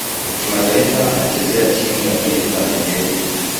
Kimataifa anachezea timu ya taifa Nigeria.